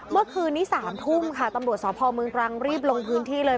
เมื่อคืนนี้๓ทุ่มค่ะตำรวจสพเมืองตรังรีบลงพื้นที่เลย